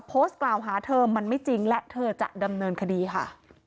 โพสต์กล่าวหาเธอมันไม่จริงและเธอจะดำเนินคดีค่ะ